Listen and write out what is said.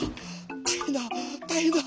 たいへんだたいへんだ。